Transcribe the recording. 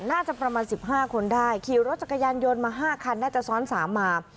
น่าจะประมาณ๑๕คนได้ขี่รถจักรยานยนต์มา๕คันน่าจะซ้อน๓มา